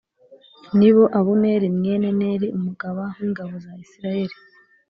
ni bo Abuneri mwene Neri umugaba w’ingabo za Isirayeli